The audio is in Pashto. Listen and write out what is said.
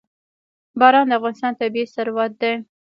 باران د افغانستان طبعي ثروت دی.